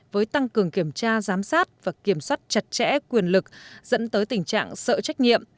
với tăng cường kiểm tra giám sát và kiểm soát chặt chẽ quyền lực dẫn tới tình trạng sợ trách nhiệm